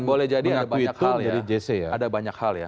ya boleh jadi ada banyak hal ya